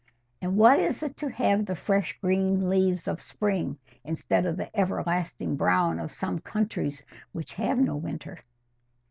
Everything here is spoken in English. And what is it to have the fresh green leaves of spring instead of the everlasting brown of some countries which have no winter!"